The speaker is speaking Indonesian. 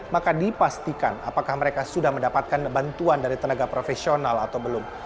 maka dipastikan apakah mereka sudah mendapatkan bantuan dari tenaga profesional atau belum